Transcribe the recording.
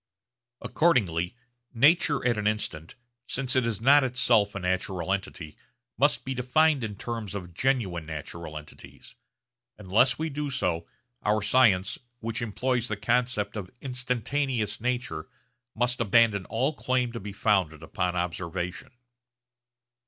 Accordingly nature at an instant, since it is not itself a natural entity, must be defined in terms of genuine natural entities. Unless we do so, our science, which employs the concept of instantaneous nature, must abandon all claim to be founded upon observation.